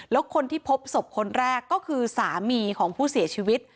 แล้วคนที่พบศพคนแรกก็คือสามีของผู้เสียชีวิต